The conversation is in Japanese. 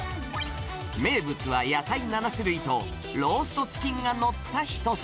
名物は野菜７種類と、ローストチキンが載った一皿。